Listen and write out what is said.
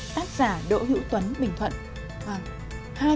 tác giả đỗ hữu tuấn bình thuận